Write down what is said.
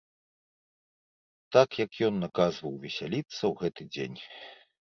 Так як ён наказваў весяліцца ў гэты дзень.